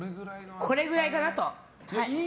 これぐらいかなと。